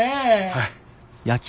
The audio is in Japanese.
はい。